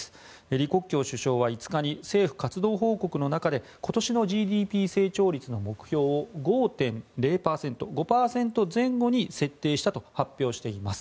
李克強首相は５日に政府活動報告の中で今年のＧＤＰ成長率の目標を５％前後に設定したと発表しています。